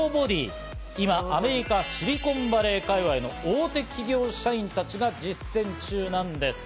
今、アメリカ・シリコンバレー界隈の大手企業社員たちが実践中なんです。